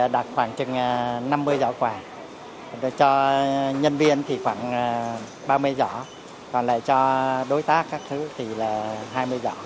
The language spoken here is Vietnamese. đạt khoảng chừng năm mươi giỏ quà cho nhân viên thì khoảng ba mươi giỏ còn lại cho đối tác các thứ thì là hai mươi giỏ